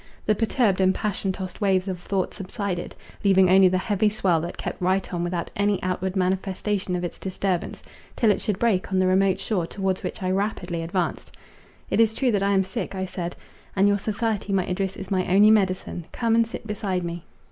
The perturbed and passion tossed waves of thought subsided, leaving only the heavy swell that kept right on without any outward manifestation of its disturbance, till it should break on the remote shore towards which I rapidly advanced:—"It is true that I am sick," I said, "and your society, my Idris is my only medicine; come, and sit beside me."